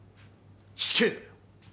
死刑だよ。